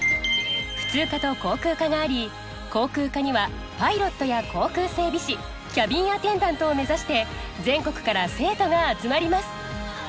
普通科と航空科があり航空科にはパイロットや航空整備士キャビンアテンダントを目指して全国から生徒が集まります。